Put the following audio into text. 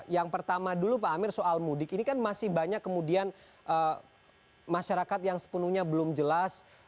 yang pertama dulu pak amir soal mudik ini kan masih banyak kemudian masyarakat yang sepenuhnya belum jelas